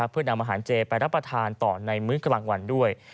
เพื่อนำอาหารเจไปรับประทานต่อในมื้อกลางวันด้วย